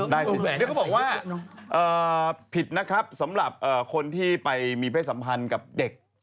เขาบอกว่าผิดนะครับสำหรับคนที่ไปมีเพศสัมพันธ์กับเด็ก